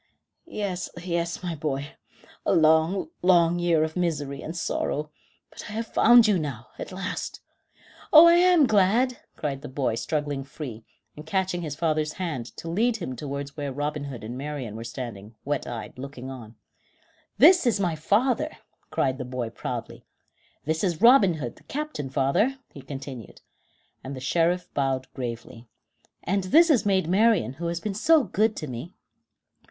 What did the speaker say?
"Yes, yes, my boy; a long, long year of misery and sorrow; but I have found you now, at last." "Oh! I am glad," cried the boy, struggling free, and catching his father's hand to lead him towards where Robin Hood and Marian were standing, wet eyed, looking on. "This is my father," cried the boy proudly. "This is Robin Hood, the captain, father," he continued, and the Sheriff bowed gravely; "and this is Maid Marian, who has been so good to me."